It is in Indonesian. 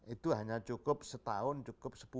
itu hanya cukup setahun cukup sepuluh